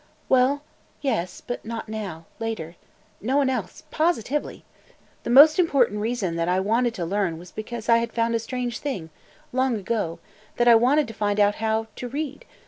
"Well – yes, but not now. Later. No one else – positively. The most important reason that I wanted to learn was because I had found a strange thing – long ago – that I wanted to find out how – to read.